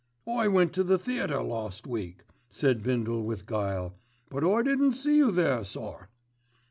"I went to the theatre last week," said Bindle with guile, "but I didn't see you there, sir."